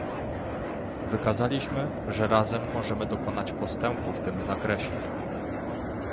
Wykazaliśmy, że razem możemy dokonać postępu w tym zakresie